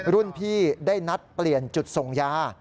รุ่นพี่ได้นัดเปลี่ยนจุดส่งยา